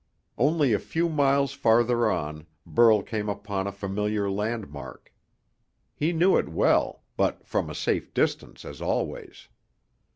Only a few miles farther on Burl came upon a familiar landmark. He knew it well, but from a safe distance as always.